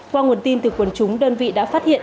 qua nguồn tin từ quần chúng đơn vị đã phát hiện